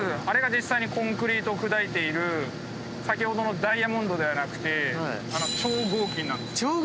あれが実際にコンクリートを砕いている先ほどのダイヤモンドではなくて超合金なんです。